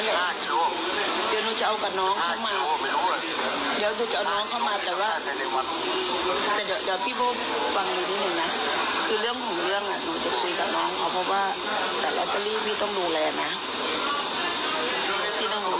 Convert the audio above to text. ก็เรื่องของเรื่องหนึ่งหนูจะพูดกับน้องเขา